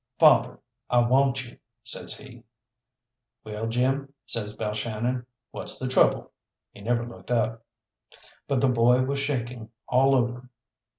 "Father, I want you," says he. "Well, Jim," says Balshannon, "what's the trouble?" He never looked up. But the boy was shaking all over.